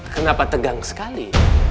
kenapa tegang sekali